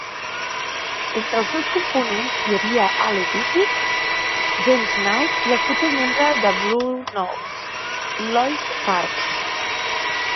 Entre els seus components hi havia Allen Beatty, James Knight i el futur membre de Blue Notes, Lloyd Parks.